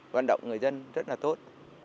hoạt động người dân rất là tốt